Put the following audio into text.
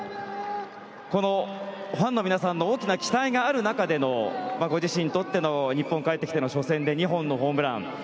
このファンの皆さんの大きな期待がある中でのご自身にとっての日本に帰ってきての初戦で２本のホームラン。